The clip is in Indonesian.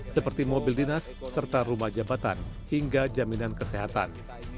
seperti mobil dinas serta rumah jabatan hingga jaminan kesehatan